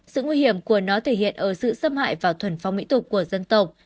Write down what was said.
sự nguy hiểm của nó thể hiện ở sự xâm hại vào thuần phong mỹ tục của dân tộc